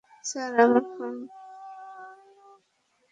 Sir, আমার phone?